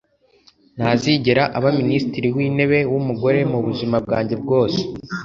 Ntazigera aba Minisitiri wintebe wumugore mubuzima bwanjye bwose